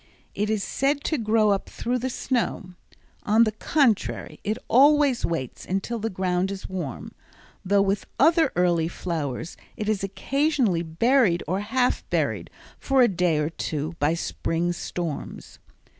It is said to grow up through the snow; on the contrary, it always waits until the ground is warm, though with other early flowers it is occasionally buried or half buried for a day or two by spring storms.